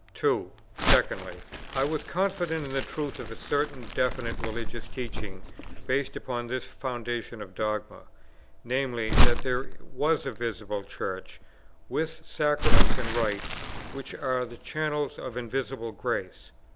Secondly, I was confident in the truth of a certain definite religious teaching, based upon this foundation of dogma; viz. that there was a visible Church, with sacraments and rites which are the channels of invisible grace.